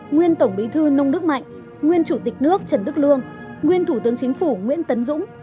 nguyên tổng bí thư nông đức mạnh nguyên chủ tịch nước trần đức lương nguyên thủ tướng chính phủ nguyễn tấn dũng